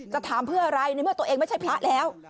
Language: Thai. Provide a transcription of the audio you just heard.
ถามเพื่ออะไรในเมื่อตัวเองไม่ใช่พระแล้ว